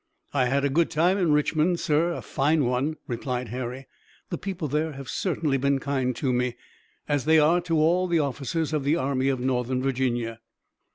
"I had a good time in Richmond, sir, a fine one," replied Harry. "The people there have certainly been kind to me, as they are to all the officers of the Army of Northern Virginia."